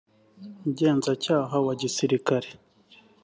umugenzacyaha wa gisirikari